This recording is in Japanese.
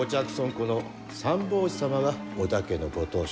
この三法師様が織田家のご当主。